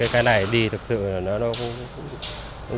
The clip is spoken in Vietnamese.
cái này đi thực sự là nó không